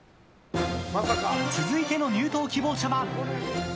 続いての入党希望者は。